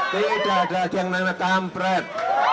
tidak ada lagi yang namanya kampret